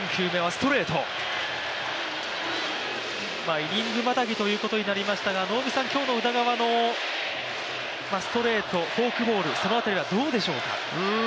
イニングまたぎということになりましたが、今日の宇田川のストレート、フォークボール、その辺りはどうでしょうか。